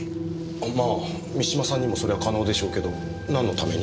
まあ三島さんにもそれは可能でしょうけどなんのために？